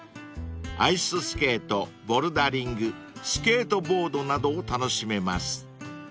［アイススケートボルダリングスケートボードなどを楽しめます］